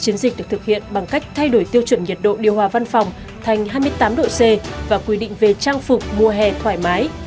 chiến dịch được thực hiện bằng cách thay đổi tiêu chuẩn nhiệt độ điều hòa văn phòng thành hai mươi tám độ c và quy định về trang phục mùa hè thoải mái